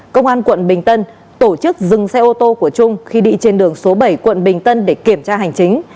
công an tp hcm tổ chức dừng xe ô tô của trung khi đi trên đường số bảy tp hcm để kiểm tra hành chính